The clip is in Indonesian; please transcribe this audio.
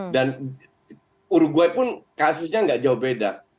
dan uruguay pun kasusnya tidak jauh beda